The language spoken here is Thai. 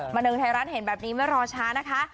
บันเทิงไทยรัฐเห็นแบบนี้ไม่รอช้านะคะ